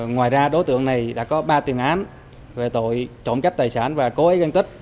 ngoài ra đối tượng này đã có ba tiền án về tội trộm cắp tài sản và cố ý gây thương tích